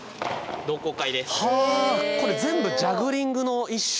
これ全部ジャグリングの一種？